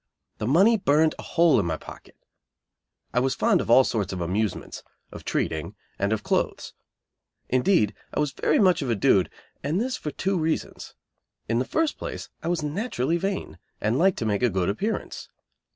The money burned a hole in my pocket. I was fond of all sorts of amusements, of "treating," and of clothes. Indeed, I was very much of a dude; and this for two reasons. In the first place I was naturally vain, and liked to make a good appearance.